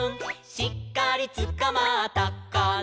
「しっかりつかまったかな」